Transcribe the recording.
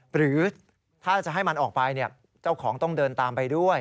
หรือถ้าจะให้มันออกไปเจ้าของต้องเดินตามไปด้วย